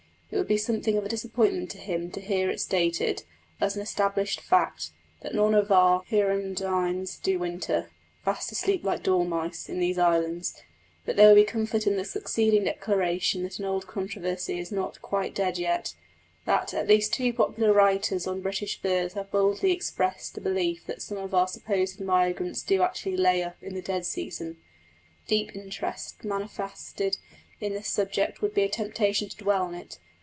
It would be something of a disappointment to him to hear it stated, as an established fact, that none of our hirundines do winter, fast asleep like dormice, in these islands. But there would be comfort in the succeeding declaration that the old controversy is not quite dead yet that at least two popular writers on British birds have boldly expressed the belief that some of our supposed migrants do actually "lay up" in the dead season. The deep interest manifested in the subject would be a temptation to dwell on it.